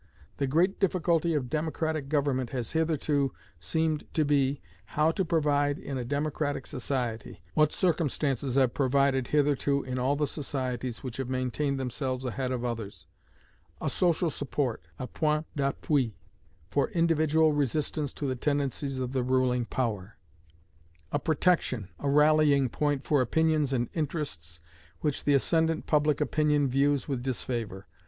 The great difficulty of democratic government has hitherto seemed to be, how to provide in a democratic society what circumstances have provided hitherto in all the societies which have maintained themselves ahead of others a social support, a point d'appui, for individual resistance to the tendencies of the ruling power; a protection, a rallying point, for opinions and interests which the ascendant public opinion views with disfavor.